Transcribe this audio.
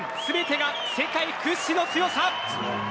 全てが世界屈指の強さ！